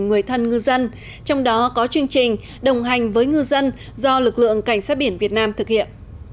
người thân ngư dân trong đó có chương trình đồng hành với ngư dân do lực lượng cảnh sát biển việt nam thực hiện